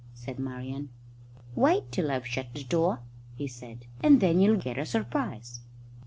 said Marian. "Wait till I've shut the door," he said, "and then you'll get a surprise."